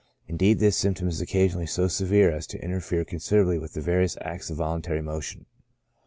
Indeed this symptom is occasionally so severe as to interfere considerably with the various acts of volun tary motion.